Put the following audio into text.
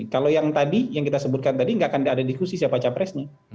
kalau yang tadi yang kita sebutkan tadi nggak akan ada diskusi siapa capresnya